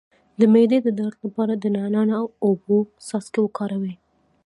د معدې د درد لپاره د نعناع او اوبو څاڅکي وکاروئ